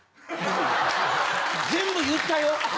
全部言ったよ？